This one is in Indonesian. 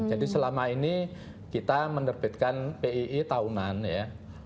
jadi selama ini kita menerbitkan pii tahunan ya